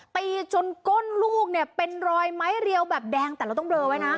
ตีจนก้นลูกเนี่ยเป็นรอยไม้เรียวแบบแดงแต่เราต้องเลอไว้นะ